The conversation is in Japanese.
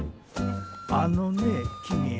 あのね君。